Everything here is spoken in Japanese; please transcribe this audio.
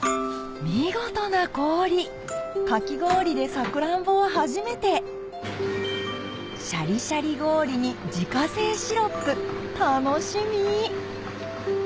見事な氷かき氷でサクランボは初めてシャリシャリ氷に自家製シロップ楽しみ！